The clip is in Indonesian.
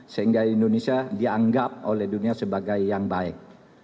sehingga indonesia dianggap oleh dunia sebagai yang baik